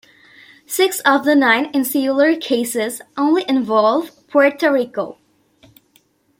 Six of the nine Insular Cases only involve Puerto Rico.